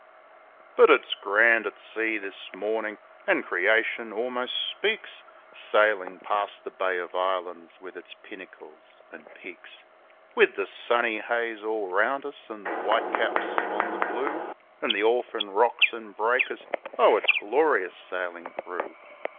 But it's grand at sea this mornin', an' Creation almost speaks, Sailin' past the Bay of Islands with its pinnacles an' peaks, With the sunny haze all round us an' the white caps on the blue. An' the orphan rocks an' breakers oh, it's glorious sailin' through